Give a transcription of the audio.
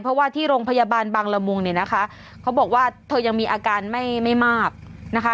เพราะว่าที่โรงพยาบาลบางละมุงเนี่ยนะคะเขาบอกว่าเธอยังมีอาการไม่ไม่มากนะคะ